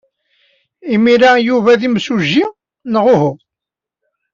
Imir-a, Yuba d imsujji neɣ uhu?